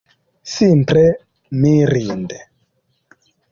Simple mirinde!